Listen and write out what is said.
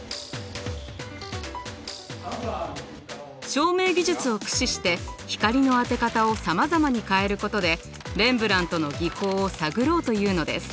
照明技術を駆使して光の当て方をさまざまに変えることでレンブラントの技法を探ろうというのです。